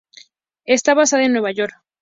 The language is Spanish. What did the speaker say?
Está basada en Nueva York.